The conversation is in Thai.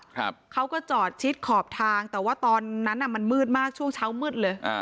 ครับเขาก็จอดชิดขอบทางแต่ว่าตอนนั้นอ่ะมันมืดมากช่วงเช้ามืดเลยอ่า